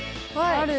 はい。